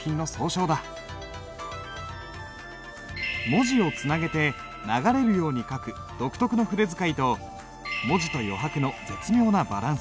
文字をつなげて流れるように書く独特の筆使いと文字と余白の絶妙なバランス。